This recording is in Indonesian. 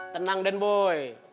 tenang den boy